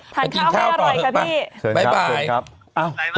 ทานข้าวให้อร่อยค่ะพี่